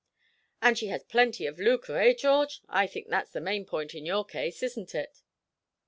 "And she has plenty of lucre, eh, George? I think that's the main point in your case, isn't it?"